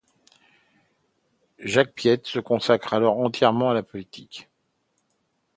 Jacques Piette se consacre alors entièrement à la politique.